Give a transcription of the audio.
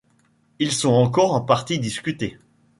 Ils sont encore en partie discutés.